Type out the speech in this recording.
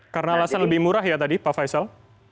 karena alasan lebih murah ya tadi pak faisal